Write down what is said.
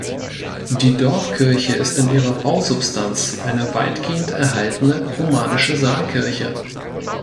Die Dorfkirche ist in ihrer Bausubstanz eine weitgehend erhaltene romanische Saalkirche.